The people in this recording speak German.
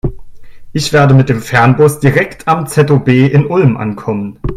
Ich werde mit dem Fernbus direkt am ZOB in Ulm ankommen.